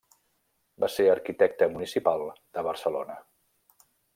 Va ser arquitecte municipal de Barcelona.